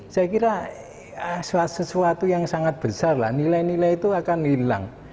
saya kira sesuatu yang sangat besar lah nilai nilai itu akan hilang